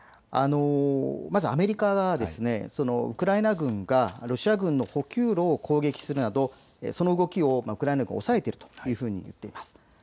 まずアメリカ側はウクライナ軍がロシア軍の補給路を攻撃するなどその動きをウクライナが抑えているというふうに言っています。